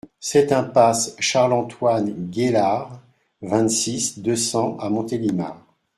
sept impasse Charles-Antoine Gailhard, vingt-six, deux cents à Montélimar